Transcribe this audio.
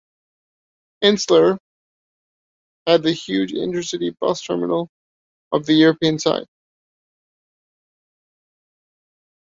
Esenler has the huge inter-city bus terminal of the European side.